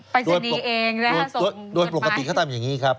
ไปสนียเองนะศมโดยปกติก็ทำอย่างนี้ครับ